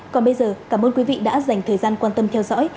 còn bây giờ cảm ơn quý vị đã dành thời gian quan tâm theo dõi